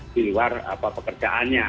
di luar pekerjaannya